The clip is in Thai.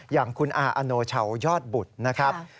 อย่างคุณอาอโนชาวยอดบุตรนะครับ